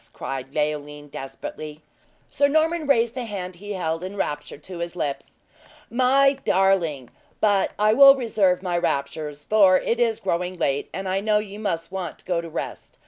cried Leoline desperately. Sir Norman raised the hand he held, in rapture to his lips: "My darling! But I will reserve my raptures, for it is growing late, and I know you must want to go to rest.